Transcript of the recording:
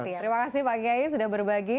terima kasih pak kiai sudah berbagi